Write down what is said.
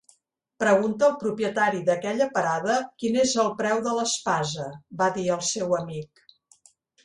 "Pregunta al propietari d'aquella parada quin és el preu de l'espasa", va dir al seu amic.